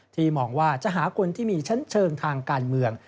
มองว่าจะหาคนที่มีชั้นเชิงทางการเมือง